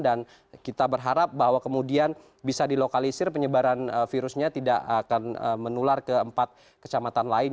dan kita berharap bahwa kemudian bisa dilokalisir penyebaran virusnya tidak akan menular ke empat kecamatan lain